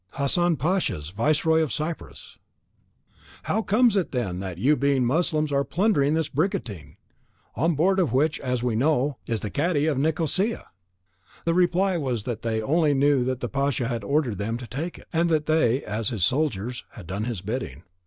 "Hassan Pasha's, viceroy of Cyprus." "How comes it, then, that you, being mussulmans are plundering this brigantine, on board of which, as we know, is the cadi of Nicosia?" The reply to this was that they only knew that the pasha had ordered them to take it, and that they, as his soldiers, had done his bidding.